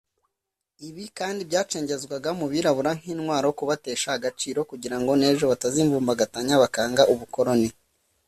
ibi kandi byacengezwaga mu Birabura nk’intwaro yo kubatesha agaciro kugira ngo n’ejo batazivumbagatanya bakanga ubukoroni